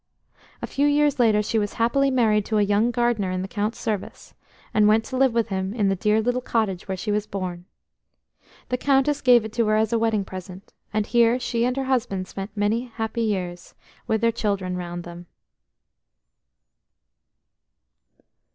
A few years later she was happily married to a young gardener in the Count's service, and went to live with him in the dear little cottage where she was born. The Countess gave it to her as a wedding present, and here she and her husband spent many happy years, with their children round them.